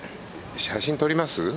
写真撮ります？